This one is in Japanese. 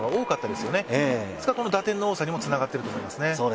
ですからこの打点の多さにもつながっていると思いますね。